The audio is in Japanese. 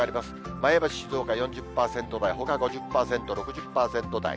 前橋、静岡、４０％台、ほか５０％、６０％台。